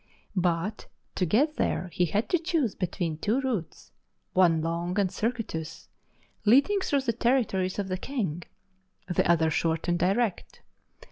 But, to get there he had to choose between two routes, one long and circuitous leading through the territories of the king, the other short and direct.